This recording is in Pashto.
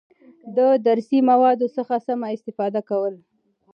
د درسي موادو څخه سمه استفاده کول،